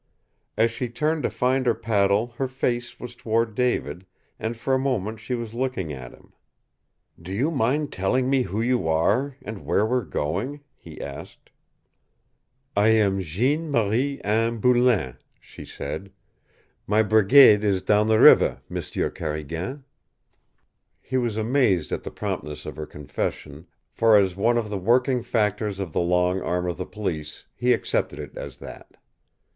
As she turned to find her paddle her face was toward David, and for a moment she was looking at him. "Do you mind telling me who you are, and where we are going?" he asked. "I am Jeanne Marie Anne Boulain," she said. "My brigade is down the river, M'sieu Carrigan." He was amazed at the promptness of her confession, for as one of the working factors of the long arm of the police he accepted it as that.